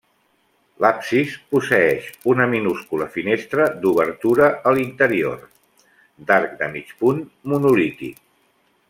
L'absis posseeix una minúscula finestra d'obertura a l'interior, d'arc de mig punt monolític.